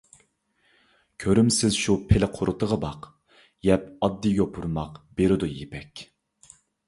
كۆرۈمسىز شۇ پىلە قۇرۇتىغا باق، يەپ ئاددىي يوپۇرماق بېرىدۇ يىپەك.